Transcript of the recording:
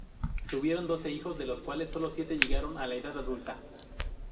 Tuvieron doce hijos, de los cuales sólo siete llegaron a la edad adulta.